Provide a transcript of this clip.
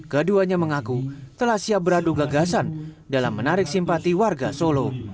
keduanya mengaku telah siap beradu gagasan dalam menarik simpati warga solo